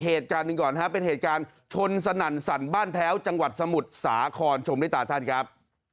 เหตุการณ์หนึ่งก่อนครับเป็นเหตุการณ์ชนสนั่นสั่นบ้านแพ้วจังหวัดสมุทรสาครชมด้วยตาท่านครับ